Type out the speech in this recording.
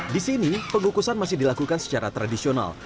di sini pengukusan masih dilakukan secara tradisional